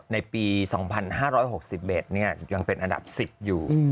ในปี๒๕๖๑ยังเป็นอันดับ๑๐อยู่